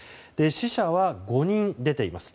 死者は５人出ています。